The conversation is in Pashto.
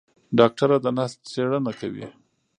ډاکټره د نسج څېړنه کوي.